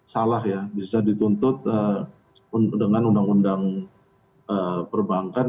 salah ya bisa dituntut dengan undang undang perbankan